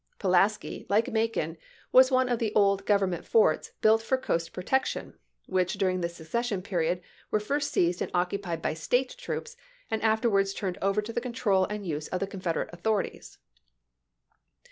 Pulaski, like Macon, was one of the old Government forts built for coast protection, which during the secession period were first seized and occupied by State troops, and after wards turned over to the control and use of the Confederate authorities.